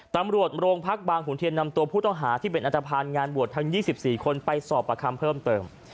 ตำรวจโรงพักบางขุนเทียนนำตัวผู้ต้องหาที่เป็นอันตภัณฑ์งานบวชทั้ง๒๔คนไปสอบประคำเพิ่มเติม